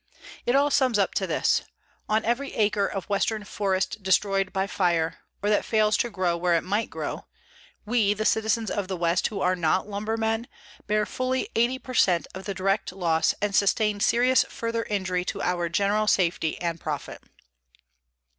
_ It all sums up to this: On every acre of western forest destroyed by fire, or that fails to grow where it might grow, we, the citizens of the West who are not lumbermen, bear fully eighty per cent of the direct loss and sustain serious further injury to our general safety and profit.